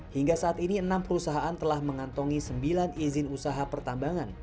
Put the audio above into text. hingga saat ini enam perusahaan telah mengantongi sembilan izin usaha pertambangan